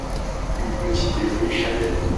une petite et jolie chapelle.